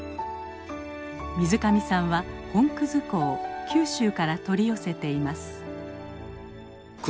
水上さんは本葛粉を九州から取り寄せています。